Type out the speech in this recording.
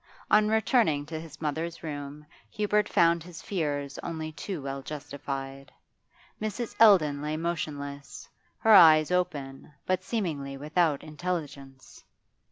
On returning to his mother's room Hubert found his fears only too well justified; Mrs. Eldon lay motionless, her eyes open, but seemingly without intelligence.